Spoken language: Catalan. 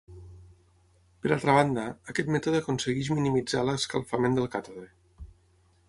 Per altra banda, aquest mètode aconsegueix minimitzar l'escalfament del càtode.